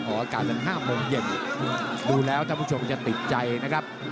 ตอนโขตา๕โมงเย็นดูแล้วท่านผู้ชมจะติดใจนะครับ